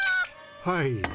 はい。